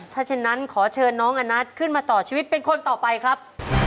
ถ้าเช่นนั้นขอเชิญน้องอนัทขึ้นมาต่อชีวิตเป็นคนต่อไปครับ